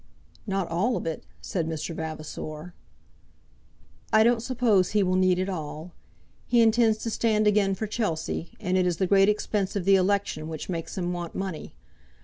"Not all of it?" said Mr. Vavasor. "I don't suppose he will need it all. He intends to stand again for Chelsea, and it is the great expense of the election which makes him want money.